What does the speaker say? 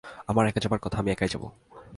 আমার একা যাবার কথা, একাই যাব।